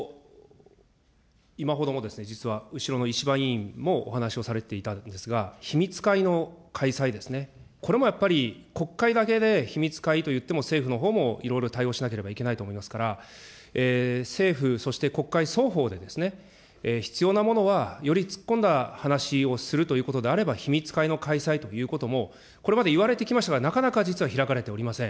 今ほども、実は後ろの石破委員もお話をされていたんですが、秘密会の開催ですね、これもやっぱり国会だけで秘密会といっても、政府のほうもいろいろ対応しなければいけないと思いますから、政府、そして国会双方で必要なものはより突っ込んだ話をするということであれば、秘密会の開催ということも、これまで言われてきましたが、なかなか実は開かれておりません。